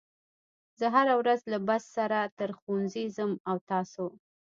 زه هره ورځ له بس سره تر ښوونځي ځم او تاسو